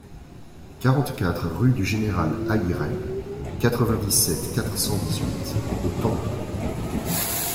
quarante-quatre rue du Géneral Ailleret, quatre-vingt-dix-sept, quatre cent dix-huit au Tampon